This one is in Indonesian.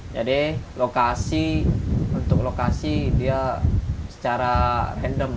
jadi lokasi untuk lokasi dia secara random